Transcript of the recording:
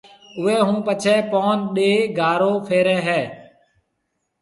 اوئيَ ھون پڇيَ پَن ڏَي گارو ڦيرَي ھيََََ